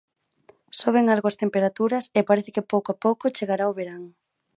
Soben algo as temperaturas e parece que pouco a pouco chegará o verán.